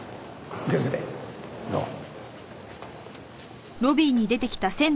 お気をつけてどうも。